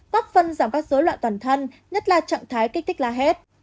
góp phân giảm các dối loạn toàn thân nhất là trạng thái kích thích là hết